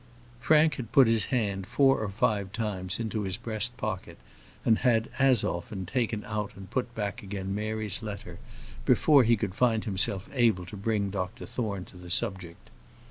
Frank had put his hand four or five times into his breast pocket, and had as often taken out and put back again Mary's letter before he could find himself able to bring Dr Thorne to the subject.